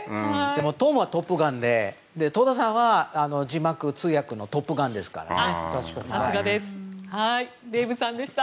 トムは「トップガン」で戸田さんは字幕通訳のトップガンですからね。